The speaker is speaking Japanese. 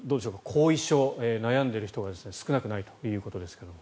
後遺症、悩んでいる人が少なくないということですが。